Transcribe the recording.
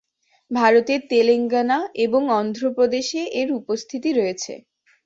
ভারতের তেলেঙ্গানা এবং অন্ধ্র প্রদেশে এর উপস্থিতি রয়েছে।